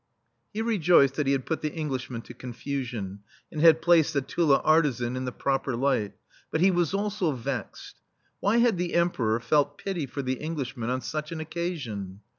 He rejoiced that he had put the Eng lishmen to confusion, and had placed the Tula artisan in the proper light, but he was also vexed. Why had the Em peror felt pity for the Englishmen on such an occasion